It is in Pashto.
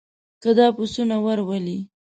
که دا پسونه ور ولې.